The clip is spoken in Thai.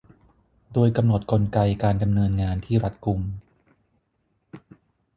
โดยกำหนดกลไกการดำเนินงานที่รัดกุม